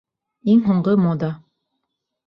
Иң һуңғы мода.